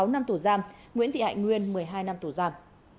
một mươi sáu năm tù giam nguyễn thị hạnh nguyên một mươi hai năm tù giam